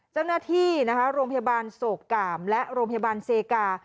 เจ้าหน้าที่นะคะโรงพยาบาลโศกกามและโรงพยาบาลเซกา